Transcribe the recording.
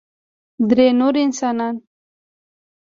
درې نور انسانان